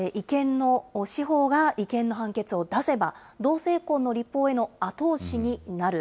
司法が違憲の判決を出せば、同性婚の立法への後押しになる。